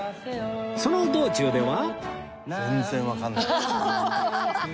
その道中では